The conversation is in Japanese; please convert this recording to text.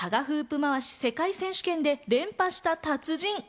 まわし世界選手権で連覇した達人。